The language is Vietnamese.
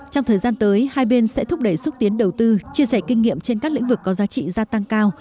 trong thời gian tới hai bên sẽ thúc đẩy xúc tiến đầu tư chia sẻ kinh nghiệm trên các lĩnh vực có giá trị gia tăng cao